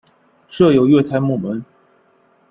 设有月台幕门。